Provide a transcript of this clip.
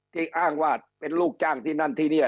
อ้างว่าเป็นลูกจ้างที่นั่นที่นี่